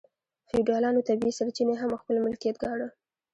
فیوډالانو طبیعي سرچینې هم خپل ملکیت ګاڼه.